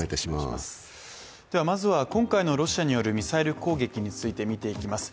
まずは、今回のロシアによるミサイル攻撃について見ていきます。